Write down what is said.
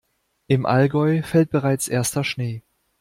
Im Allgäu fällt bereits erster Schnee.